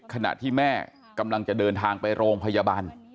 ขณะที่แม่กำลังจะเดินทางไปโรงพยาบาล